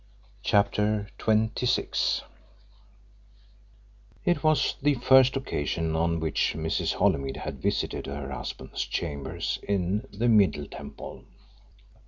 CHAPTER XXVI It was the first occasion on which Mrs. Holymead had visited her husband's chambers in the Middle Temple.